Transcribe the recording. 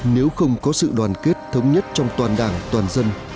nếu không có sự đoàn kết thống nhất trong toàn đảng toàn dân